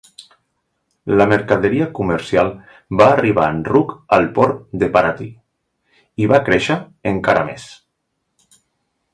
La mercaderia comercial va arribar en ruc al port de Parati i va créixer encara més.